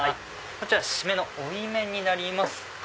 こちら締めの追い麺になります。